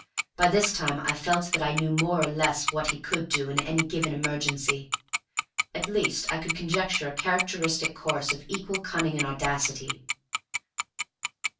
By this time I felt that I knew more or less what he would do in any given emergency; at least I could conjecture a characteristic course of equal cunning and audacity.